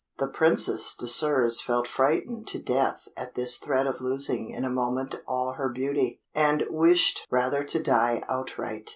The Princess Désirs felt frightened to death at this threat of losing in a moment all her beauty, and wished rather to die outright.